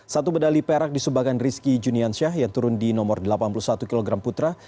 satu medali perak disumbangkan rizky juniansyah yang turun di nomor delapan puluh satu kg putra